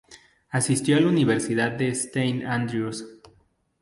Asistió a la Universidad de Saint Andrews.